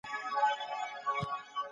د مطالعې دایره باید تر ټولني پورې وغځیږي.